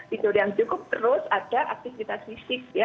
tidur yang cukup terus ada aktivitas fisik ya